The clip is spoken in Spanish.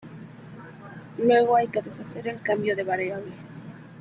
Luego hay que deshacer el cambio de variable.